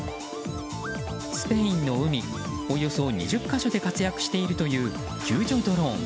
スペインの海、およそ２０か所で活躍しているという救助ドローン。